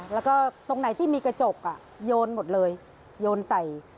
แล้วก็ตรงไหนที่มีกระจกโยนหมดเลยโยนใส่